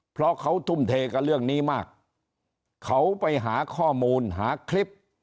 เพราะเขาทุ่มเทกับเรื่องนี้มากเขาไปหาข้อมูลหาคลิป